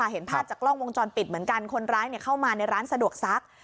เห็นภาพจากกล้องวงจรปิดเหมือนกันคนร้ายเข้ามาในร้านสะดวกซัก